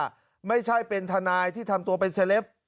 เป็นคนศิลธ์สละไม่ใช่เป็นท่านายที่ทำตัวเป็นเซลฟ